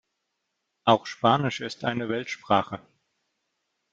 Auch Spanisch ist eine Weltsprache.